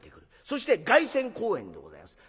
そして凱旋公演でございます。